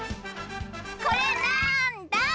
これなんだ？